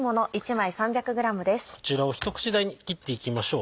こちらを一口大に切っていきましょう。